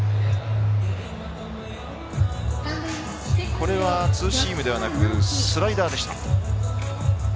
これはツーシームではなくてスライダーでした。